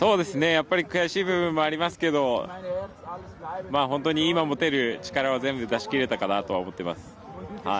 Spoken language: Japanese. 悔しい部分もありますけど本当に今持てる力を全部出し切れたかなとは思っています。